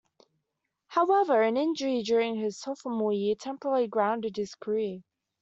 However, an injury during his sophomore year temporarily grounded his career.